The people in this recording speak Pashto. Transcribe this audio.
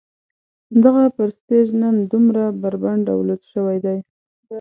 دغه پرستیژ نن دومره بربنډ او لوڅ شوی دی.